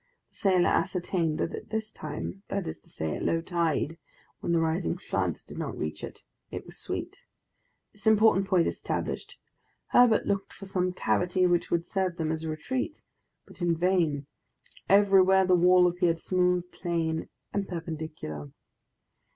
The sailor ascertained that at this time that is to say, at low tide, when the rising floods did not reach it it was sweet. This important point established, Herbert looked for some cavity which would serve them as a retreat, but in vain; everywhere the wall appeared smooth, plain, and perpendicular.